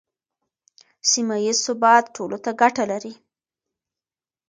سیمه ییز ثبات ټولو ته ګټه لري.